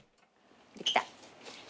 できた。